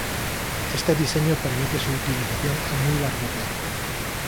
Este diseño permite su utilización a muy largo plazo.